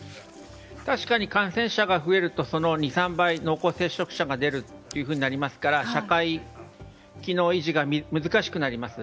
確かに感染者が増えるとその２３倍濃厚接触者が出るというふうになりますから社会機能維持が難しくなります。